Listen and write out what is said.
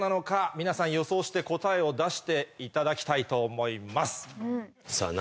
皆さん予想して答えを出していただきたいと思います。